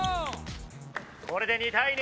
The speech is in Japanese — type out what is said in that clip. これで２対２。